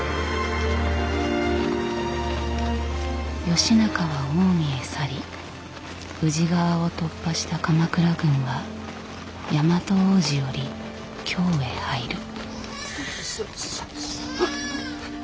義仲は近江へ去り宇治川を突破した鎌倉軍は大和大路より京へ入る。